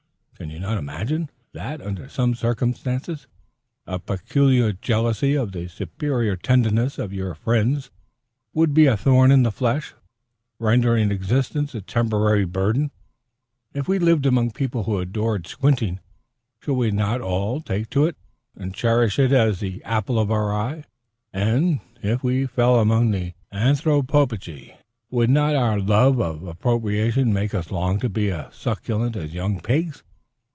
Can you not imagine, that, under such circumstances, a peculiar jealousy of the superior tenderness of your friends would be a thorn in the flesh, rendering existence a temporary burden? If we lived among people who adored squinting, should we not all take to it, and cherish it as the apple of our eye? And if we fell among anthropophagi, would not our love of approbation make us long to be as succulent as young pigs?